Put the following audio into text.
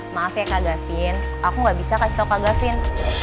maaf ya kak gavin aku gak bisa kasih tau kak gavin